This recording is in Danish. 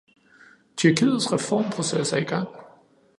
Tyrkiets reformproces er i gang.